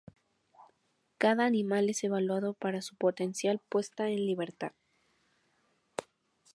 Cada animal es evaluado para su potencial puesta en libertad.